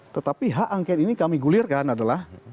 tetapi hak angket ini kami gulirkan adalah